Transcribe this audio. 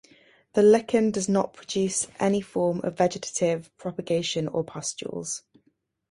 The lichen does not produce any form of vegetative propagation or pustules.